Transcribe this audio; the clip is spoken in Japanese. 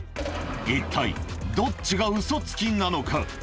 一体、どっちがウソつきなのか。